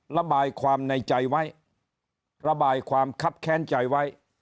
ระบายความในใจไว้ระบายความคับแค้นใจไว้